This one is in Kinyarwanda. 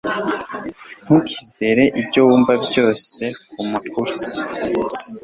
Ntukizere ibyo wumva byose kumakuru